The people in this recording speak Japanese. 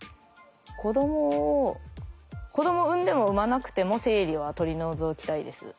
子どもを子ども産んでも産まなくても生理は取り除きたいです。